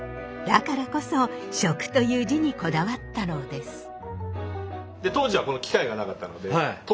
だからこそ「食」という字にこだわったのです。